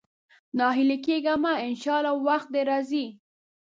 ناهيلی کېږه مه، ان شاءالله وخت دې راځي.